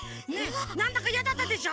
なんだかいやだったでしょ？